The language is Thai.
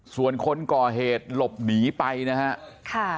ส่วนคนก่อเหตุหลบหนีไปนะฮะ